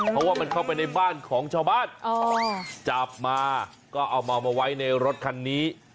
เพราะว่ามันเข้าไปในบ้านของชาวบ้านจับมาก็เอาเมามาไว้ในรถคันนี้